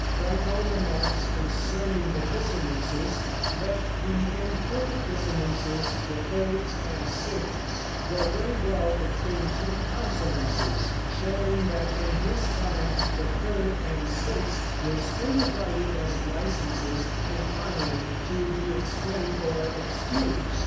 Franco remarks, concerning the dissonances, that the imperfect dissonances, the thirds and sixths, go very well between two consonances, showing that in his time the third and sixth were still regarded as licenses in harmony to be explained or excused.